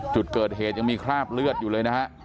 จุดเกิดเหตุยังมีคราบเลือดอยู่เลยนะฮะ